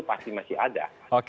pasti masih ada